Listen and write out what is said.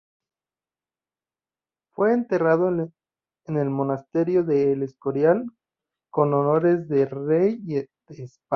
Fue enterrado en el Monasterio de El Escorial, con honores de rey de España.